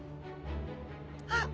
あっ！